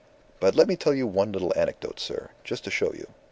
... But let me tell you one little anecdote, sir; just to show you.